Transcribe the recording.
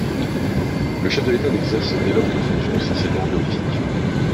Le chef de l'État n'exerce dès lors qu'une fonction essentiellement honorifique.